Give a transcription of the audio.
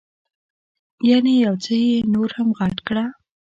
یعنې یو څه یې نور هم غټ کړه.